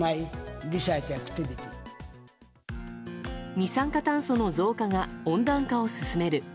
二酸化炭素の増加が温暖化を進める。